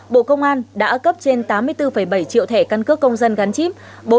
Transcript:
bộ công an đã cấp trên tám mươi bốn bảy triệu thẻ căn cước công dân gắn chip